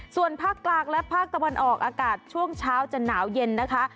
ส่วนภาคกลางและภาคตะวันออกอากาศช่วงเช้าจะหนาวเย็นนะคะ